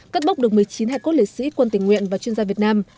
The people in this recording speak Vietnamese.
cất bốc được một mươi chín hài cốt liệt sĩ quân tỉnh nguyện và chuyên gia việt nam